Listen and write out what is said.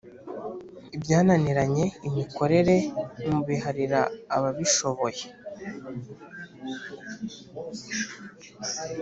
Ibyananiranye imikorere mubiharire ababishoboye